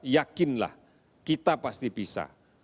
mungkinlah kita pasti bisa